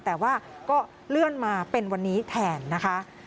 แต่ว่าก็เลื่อนมาเป็นวันนี้แทนนะคะ